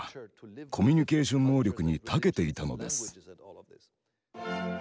コミュニケーション能力にたけていたのです。